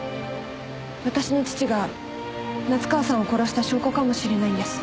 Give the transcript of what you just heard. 私の父が夏河さんを殺した証拠かもしれないんです。